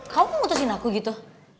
kamu ngutusin aku gitu